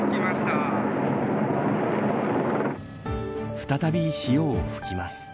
再び塩を吹きます。